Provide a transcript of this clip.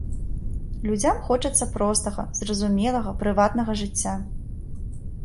Людзям хочацца простага, зразумелага, прыватнага жыцця.